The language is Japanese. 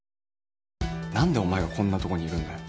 何でお前がこんなとこにいるんだよ。